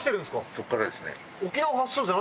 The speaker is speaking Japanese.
そこからですね。